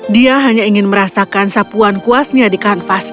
dia hanya ingin merasakan sapuan kuasnya di kanvas